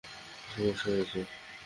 কী সমস্যা হয়েছে?